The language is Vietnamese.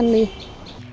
nhờ cải tạo